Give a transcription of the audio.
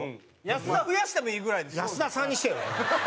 「安田さん」にしてよ！